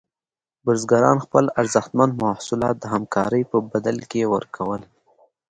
بزګران خپل ارزښتمن محصولات د همکارۍ په بدل کې ورکول.